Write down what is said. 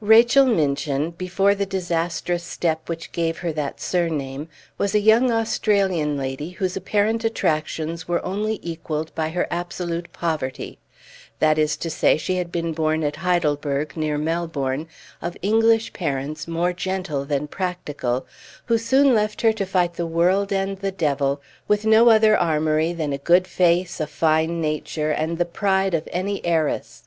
Rachel Minchin, before the disastrous step which gave her that surname, was a young Australian lady whose apparent attractions were only equalled by her absolute poverty; that is to say, she had been born at Heidelberg, near Melbourne, of English parents more gentle than practical, who soon left her to fight the world and the devil with no other armory than a good face, a fine nature, and the pride of any heiress.